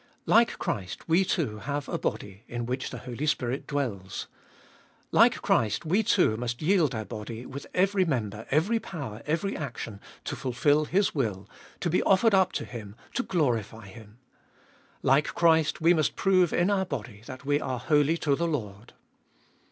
Like Christ we too have a body, in which the Holy Spirit dwells. Like Christ we too must yield 384 Gbe Iboliest of our body, with every member, every power, every action, to fulfil His will, to be offered up to Him, to glorify Him. Like Christ we must prove in our body that we are holy to the Lord.